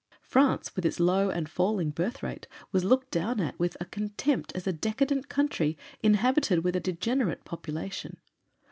France, with its low and falling birth rate, was looked down at with a contempt as a decadent country inhabited with a degenerate population.